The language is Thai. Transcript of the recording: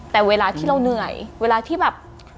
แต่เวลาที่เราเหนื่อยเวลาที่แบบ